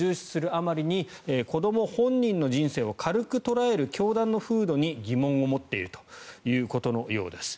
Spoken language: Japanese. あまりに子ども本人の人生を軽く捉える教団の風土に疑問を持っているということのようです。